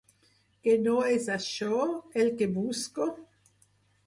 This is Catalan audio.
¿Que no és això, el que busco?